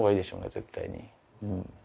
絶対に。